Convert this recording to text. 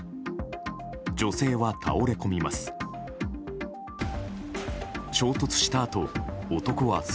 女性は倒れ込みます。